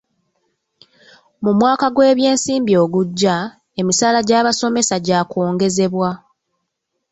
Mu mwaka gw'ebyensimbi ogujja, emisaala gy'abasomesa gyakwongezebwa.